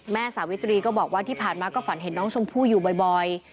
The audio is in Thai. สาวิตรีก็บอกว่าที่ผ่านมาก็ฝันเห็นน้องชมพู่อยู่บ่อย